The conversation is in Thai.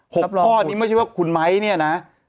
ข้อนี้ไม่ใช่ว่าคุณไม้เนี่ยนะ